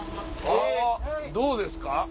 どうですか？